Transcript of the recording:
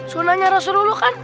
sunanya rasulullah kan